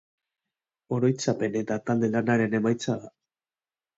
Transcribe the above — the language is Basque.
Oroitzapen eta talde-lanaren emaitza da.